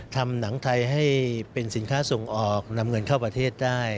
ทำหนังไทยให้เป็นสินค้าส่งออกนำเงินเข้าประเทศได้